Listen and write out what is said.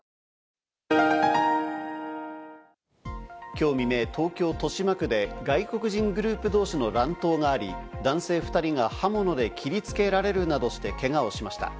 今日未明、東京・豊島区で外国人グループ同士の乱闘があり、男性２人が刃物で切りつけられるなどしてけがをしました。